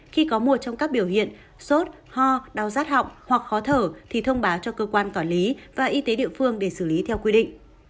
khi có một trong các biểu hiện sốt ho đau rát họng hoặc khó thở thì thông báo cho cơ quan quản lý và y tế địa phương để xử lý theo quy định